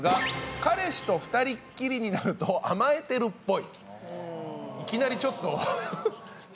彼氏と２人きりになると甘えてるっぽい。